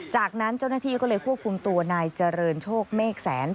จากนั้นเจ้าหน้าที่ก็เลยควบคุมตัวนายเจริญโชคเมฆแสน